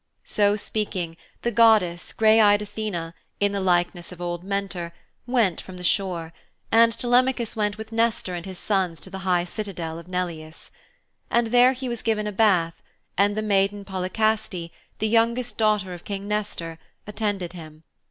So speaking, the goddess, grey eyed Athene, in the likeness of old Mentor went from the shore, and Telemachus went with Nestor and his sons to the high citadel of Neleus. And there he was given a bath, and the maiden Polycaste, the youngest daughter of King Nestor, attended him.